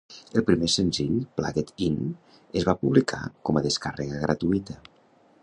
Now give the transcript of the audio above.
El primer senzill, "Plugged In", es va publicar com a descàrrega gratuïta.